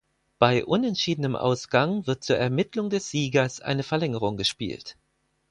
Bei unentschiedenem Ausgang wird zur Ermittlung des Siegers eine Verlängerung gespielt.